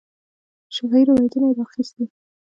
شفاهي روایتونه یې را اخیستي دي.